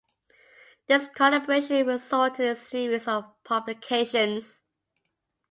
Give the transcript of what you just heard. This collaboration resulted in series of publications.